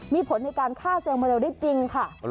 มีผลในการฆ่าเซลล์มาเร็วได้จริงค่ะ